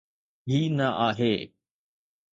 هي نه آهي.